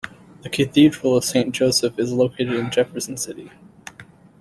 The Cathedral of Saint Joseph is located in Jefferson City.